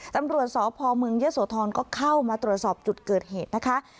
ตำรวจสพเมืองเยอะโสธรก็เข้ามาตรวจสอบจุดเกิดเหตุนะคะ